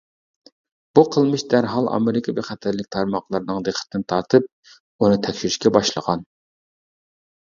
بۇ قىلمىش دەرھال ئامېرىكا بىخەتەرلىك تارماقلىرىنىڭ دىققىتىنى تارتىپ ئۇنى تەكشۈرۈشكە باشلىغان.